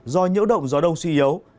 do nhiễu động gió đông suy yếu